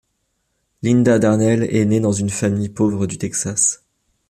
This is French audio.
Linda Darnell est née dans une famille pauvre du Texas.